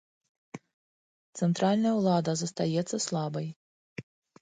Цэнтральная ўлада застаецца слабой.